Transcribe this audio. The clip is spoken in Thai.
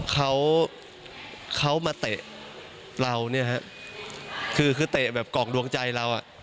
เขามาเตะเราคือเตะกล่องดวงใจเรา